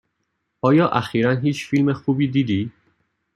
آیا اخیرا هیچ فیلم خوبی دیدی؟